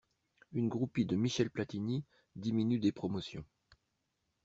Une groupie de Michel Platini diminue des promotions.